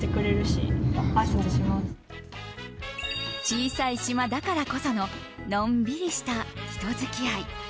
小さい島だからこそののんびりした人付き合い。